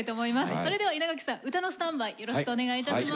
それでは稲垣さん歌のスタンバイよろしくお願いいたします。